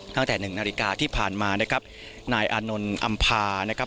ตั้งแต่หนึ่งนาฬิกาที่ผ่านมานะครับนายอานนท์อำภานะครับ